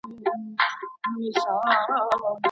د ښووني پوهنځۍ بې اسنادو نه ثبت کیږي.